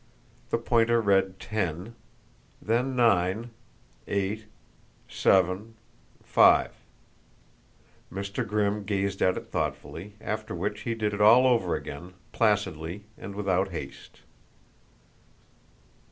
The pointer read ten, then nine, eight, seven, five. Mr. Grimm gazed at it thoughtfully, after which he did it all over again, placidly and without haste.